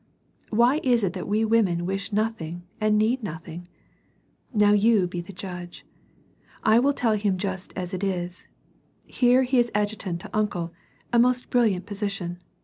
Why is it that we women .wish nothing and need nothing ? Now you be the judge. I will tell him just as it is : here he is adjutant to uncle, a most brilliant position.